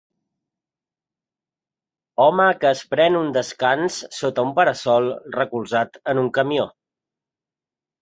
Home que es pren un descans sota un para-sol recolzat en un camió.